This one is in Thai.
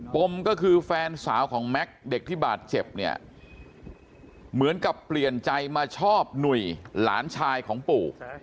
มก็คือแฟนสาวของแม็กซ์เด็กที่บาดเจ็บเนี่ยเหมือนกับเปลี่ยนใจมาชอบหนุ่ยหลานชายของปู่